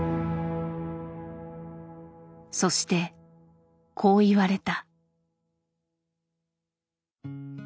そしてこう言われた。